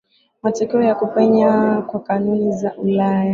matokeo ya kupenya kwa kanuni za Ulaya